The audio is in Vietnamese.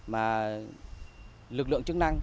mà lực lượng chức năng